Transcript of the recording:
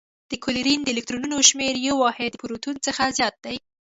د کلورین د الکترونونو شمیر یو واحد د پروتون څخه زیات دی.